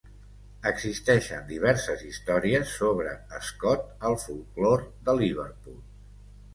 Existeixen diverses històries sobre Scott al folklore de Liverpool.